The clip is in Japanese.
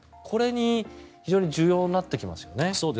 これが非常に重要になってきますよね。